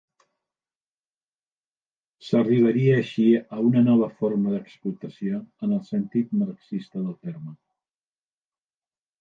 S'arribaria així a una nova forma d'explotació en el sentit marxista del terme.